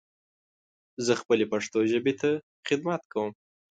زه خپلې پښتو ژبې ته خدمت کوم.